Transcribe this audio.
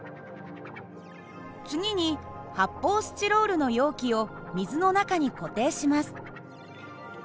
次に発砲スチロールの容器を水の中に固定します。